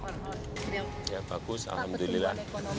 yang bagus alhamdulillah